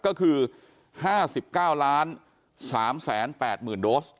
ก็คือ๕๙๓๘๐๐๐โดส